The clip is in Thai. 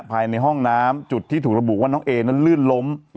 ภายในห้องน้ำจุดที่ถูกระบุว่าน้องเอนั้นลื่นล้ม